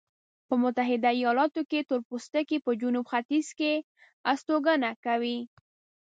په متحده ایلاتونو کې تورپوستکي په جنوب ختیځ کې استوګنه کوي.